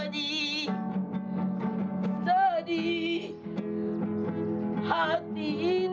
bisa tetap digelar